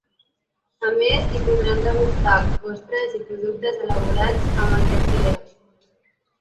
A més, s’hi podran degustar postres i productes elaborats amb aquest cereal.